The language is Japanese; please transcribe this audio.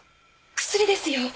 薬ですよ